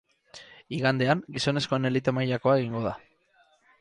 Igandean, gizonezkoen elite mailakoa egingo da.